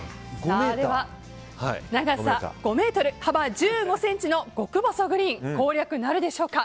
では長さ５ｍ、幅１５ｃｍの極細グリーン攻略なるでしょうか。